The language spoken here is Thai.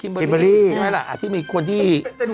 เบอร์ดีใช่ไหมล่ะที่มีคนที่